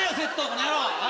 この野郎！